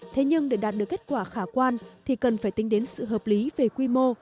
thế nhưng để đạt được kết quả khả quan thì cần phải tính đến sự hợp lý về quy mô